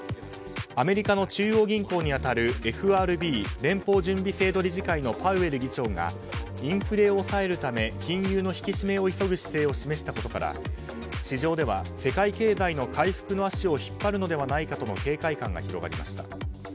アメリカの中央銀行に当たるＦＲＢ・連邦準備制度理事会のパウエル議長がインフレを抑えるため金融の引き締めを急ぐ姿勢を示したことから市場では、世界経済の回復の足を引っ張るのではないかとの警戒感が広がりました。